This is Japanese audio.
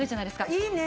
いいね。